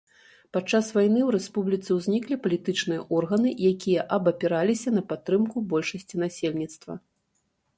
Падчас вайны ў рэспубліцы ўзніклі палітычныя органы, якія абапіраліся на падтрымку большасці насельніцтва.